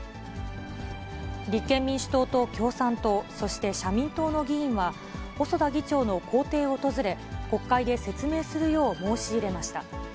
立憲民主党と共産党、そして社民党の議員は、細田議長の公邸を訪れ、国会で説明するよう申し入れました。